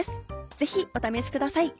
ぜひお試しください。